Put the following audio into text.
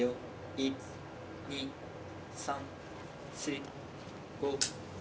１２３４５。